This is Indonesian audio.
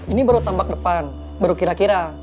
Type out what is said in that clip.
ini baru tambak depan baru kira kira